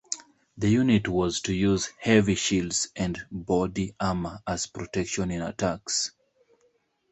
The unit was to use heavy shields and body armor as protection in attacks.